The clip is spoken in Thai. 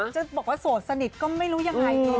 จะบอกว่าโสดสนิทก็ไม่รู้ยังไง